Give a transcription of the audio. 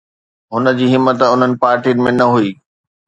هن جي همت انهن پارٽين ۾ نه هئي.